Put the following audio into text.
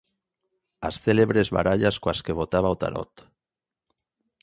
As célebres barallas coas que botaba o tarot.